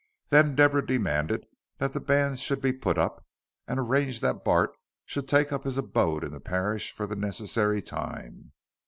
Then Deborah demanded that the banns should be put up, and arranged that Bart should take up his abode in the parish for the necessary time.